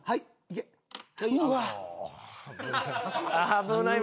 危ない。